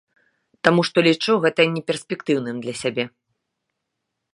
Таму што лічу гэта не перспектыўным для сябе.